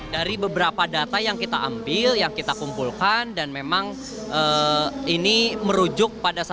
dari beberapa data yang kita ambil yang kita kumpulkan dan memang ini merujuk pada satu